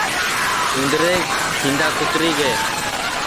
اُندرے کھیندا کُتری گے